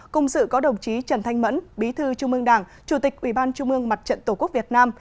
cùng sự có đồng chí trần thanh mẫn bí thư trung ương đảng chủ tịch ủy ban trung ương mặt trận tổ quốc việt nam